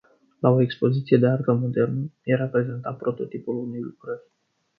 La o expoziție de artă modernă, era prezentat prototipul unei lucrări.